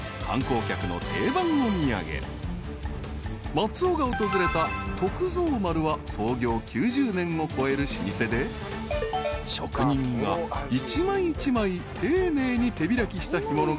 ［松尾が訪れた徳造丸は創業９０年を超える老舗で職人が一枚一枚丁寧に手開きした干物が絶品］